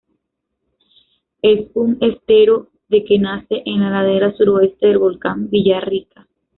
Es un estero de que nace en la ladera suroeste del volcán Villarrica.